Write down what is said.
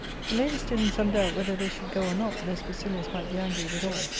The ladies stood in some doubt whether they should go or not, lest Basilius might be angry withal.